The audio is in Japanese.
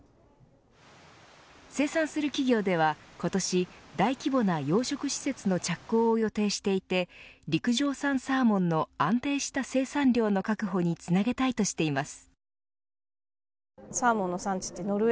生産する企業では、今年大規模な養殖施設の着工を予定していて陸上産サーモンの安定した生産量の確保につなげたいとしています。